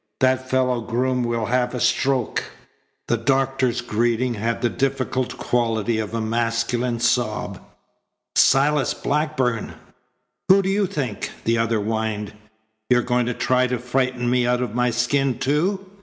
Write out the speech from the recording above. "That fellow Groom will have a stroke." The Doctor's greeting had the difficult quality of a masculine sob. "Silas Blackburn!" "Who do you think?" the other whined. "You going to try to frighten me out of my skin, too?